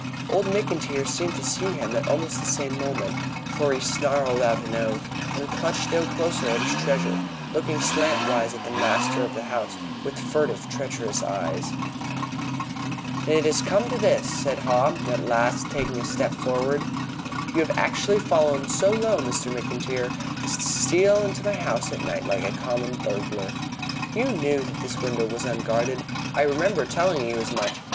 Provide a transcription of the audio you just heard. Old McIntyre seemed to see him at almost the same moment, for he snarled out an oath, and clutched still closer at his treasure, looking slantwise at the master of the house with furtive, treacherous eyes. "And it has really come to this!" said Haw at last, taking a step forward. "You have actually fallen so low, Mr. McIntyre, as to steal into my house at night like a common burglar. You knew that this window was unguarded. I remember telling you as much.